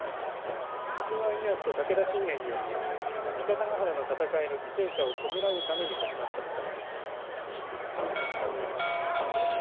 徳川家康と武田信玄による三方ヶ原の戦いの犠牲者を弔うために始まったとされています。